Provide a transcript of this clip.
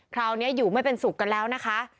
คราวนี้อยู่ไม่เป็นสุขกันแล้วนะคะ